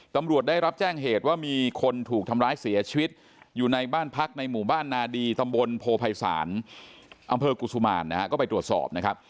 ตำรวจได้รับแจ้งเหตุว่ามีคนถูกทำร้ายเสียชีวิตอยู่ในบ้านพักในหมู่บ้านนาดีตำบลโพภัยศาลอำเภอกุศุมารนะฮะก็ไปตรวจสอบนะครับ